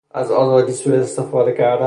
از آزادی سواستفاده کردن